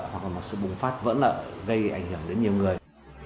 hoặc là một sự bùng phát vỡ nợ gây ảnh hưởng đến nhiều người